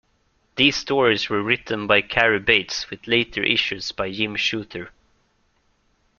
These stories were written by Cary Bates with later issues by Jim Shooter.